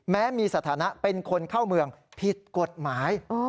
แม้มีสถานะเป็นคนเข้าเมืองผิดกฎหมาย